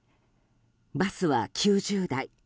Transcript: バスは９０台。